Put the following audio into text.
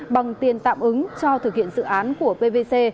bằng tiền tạm ứng cho thực hiện dự án của pvc